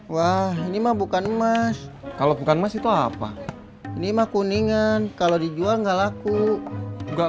wah ini mah bukan emas kalau bukan masih apa ini mah kuningan kalau dijual nggak laku nggak